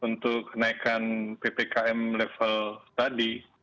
untuk naikkan ppkm level tadi